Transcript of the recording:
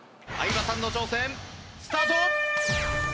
相葉さんの挑戦スタート。